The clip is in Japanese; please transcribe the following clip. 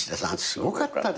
すごかったですよ。